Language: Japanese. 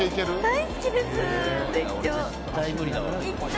大好きです絶叫。